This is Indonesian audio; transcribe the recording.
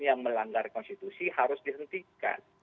yang melanggar konstitusi harus dihentikan